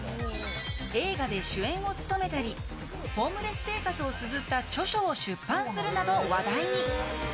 映画で主演を務めたりホームレス生活をつづった著書を出版するなど話題に。